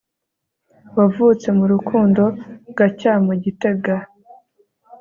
wavutse mu Urukundo Gacyamo Gitega